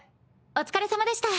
お疲れさまでした。